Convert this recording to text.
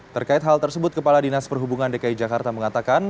terkait hal tersebut kepala dinas perhubungan dki jakarta mengatakan